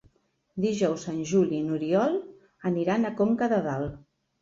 Dijous en Juli i n'Oriol aniran a Conca de Dalt.